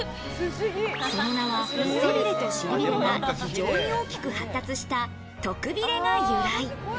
その名は背びれと尻びれが非常に大きく発達したトクビレが由来。